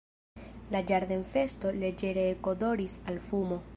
La ĝardenfesto leĝere ekodoris al fumo.